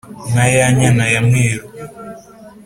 nka ya nyana ya mwкeru